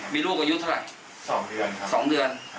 มีลูกอายุเท่าไหร่๒เดือน